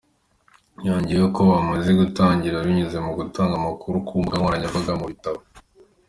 Yongeyeho ko bamaze gutangira binyuze mu gutanga amakuru ku mbunga nkoranyambaga no mu bitabo.